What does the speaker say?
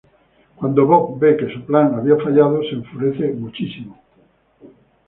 Cuando Bob ve que su plan había fallado, se enfurece muchísimo.